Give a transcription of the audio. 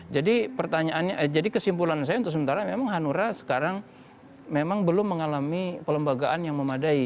jadi pertanyaannya jadi kesimpulan saya untuk sementara memang hanura sekarang memang belum mengalami pelembagaan yang memadai